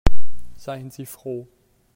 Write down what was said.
Seien Sie froh.